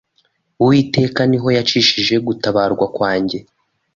Uwiteka niho yacishije gutabarwa kwanjye